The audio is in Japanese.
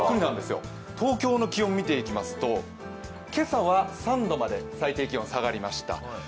東京の気温見ていきますと今朝は３度まで最低気温、下がりました。